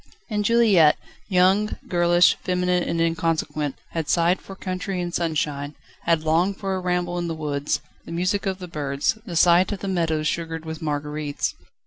And Juliette young, girlish, feminine and inconsequent had sighed for country and sunshine, had longed for a ramble in the woods, the music of the birds, the sight of the meadows sugared with marguerites.